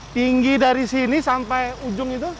tinggi dari sini sampai ujung itu